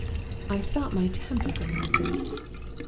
"I felt my temper going at this.